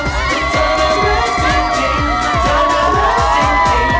คือเธอน่ารักจริงจริงคือเธอน่ารักจริงจริง